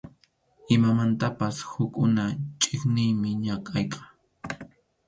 Imamantapas hukkuna chiqniymi ñakayqa.